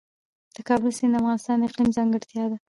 د کابل سیند د افغانستان د اقلیم ځانګړتیا ده.